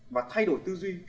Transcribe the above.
và thay đổi tư duy